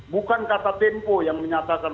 bukan kata tempo yang menyatakan